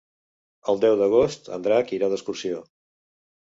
El deu d'agost en Drac irà d'excursió.